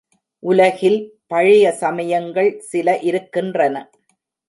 உலகில் பழைய சமயங்கள் சில இருக்கின்றன.